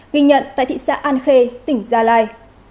ghi nhận tại thị xã an khê tỉnh gia lai